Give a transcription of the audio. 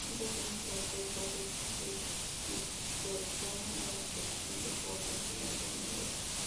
Un pequeño cráter doble se superpone a una porción del borde del lado noroeste.